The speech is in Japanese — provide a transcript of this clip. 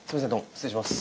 失礼します。